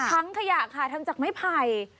ขยะค่ะทั้งจากไม้ไผ่